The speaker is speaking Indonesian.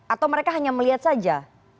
atau mereka hanya melihat saja